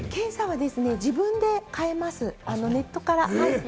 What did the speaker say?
検査は自分で買えます、ネットから。